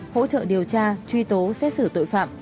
hỗ trợ điều tra truy tố xét xử tội phạm